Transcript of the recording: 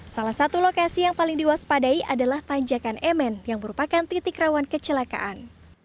salah satu lokasi yang paling diwaspadai adalah tanjakan emen yang merupakan titik rawan kecelakaan